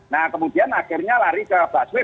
nah kemudian akhirnya lari ke busway